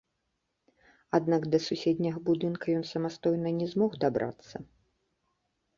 Аднак да суседняга будынка ён самастойна не змог дабрацца.